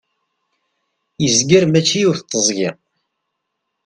yezger mačči yiwet teẓgi